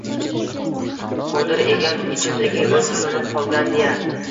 Qodir egam, ichimdagi o`t so`nib qolgandi-ya